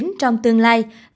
và trở thành một bệnh đặc hữu